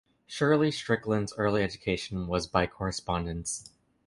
Shirley Strickland's early education was by correspondence.